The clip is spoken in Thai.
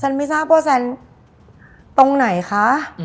ฉันไม่ทราบว่าฉันตรงไหนคะ